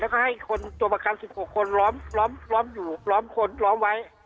แล้วก็ให้คนตัวประกัน๑๖คนล้อมอยู่ล้อมคนล้อมไว้